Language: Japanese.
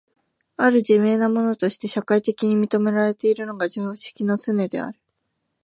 或る自明なものとして社会的に認められているのが常識のつねである。